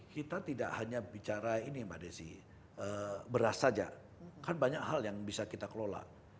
kita tidak hanya bicara ini mbak desi beras saja kan banyak hal yang bisa kita kelola